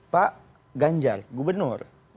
pak ganjar gubernur